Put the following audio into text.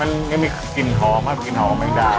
มันมีกลิ่นหอมครับกลิ่นหอมแมงดา